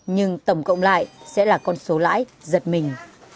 nhưng tổng cộng lại sẽ là con số lãi giật mình